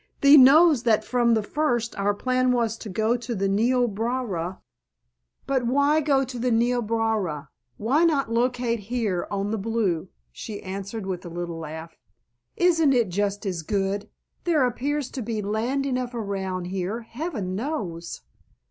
Thee knows that from the first our plan was to go to the Niobrara——" "But why go to the Niobrara? Why not locate right here on the Blue?" she answered with a little laugh. "Isn't it just as good? There appears to be land enough around here, heaven knows!"